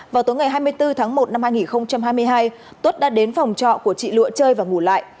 vào tối ngày hai mươi bốn tháng một năm hai nghìn hai mươi hai tuất đã đến phòng trọ của chị lụa chơi và ngủ lại